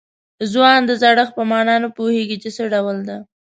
ځوان د زړښت په معنا نه پوهېږي چې څه ډول ده.